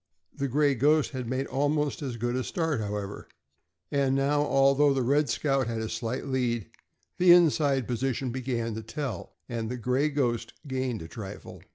The "Gray Ghost" had made almost as good a start, however, and now, although the "Red Scout" had a slight lead, the inside position began to tell, and the "Gray Ghost" gained a trifle.